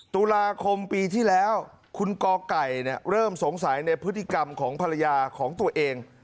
ตุลาคมปีที่แล้วคุณกไก่เริ่มสงสัยในพฤติกรรมของภรรยาของตัวเอง